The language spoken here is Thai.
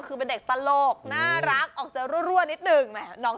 คือเป็นเด็กตลกน่ารักออกจะรั่วนิดหนึ่ง